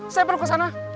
saya perlu ke sana